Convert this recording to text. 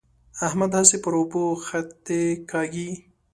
احمد هسې پر اوبو خطې کاږي.